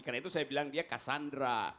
karena itu saya bilang dia cassandra